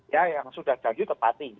ya yang sudah janji tepati